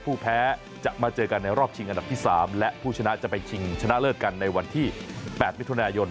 ผู้แพ้จะมาเจอกันในรอบชิงอันดับที่๓และผู้ชนะจะไปชิงชนะเลิศกันในวันที่๘มิถุนายน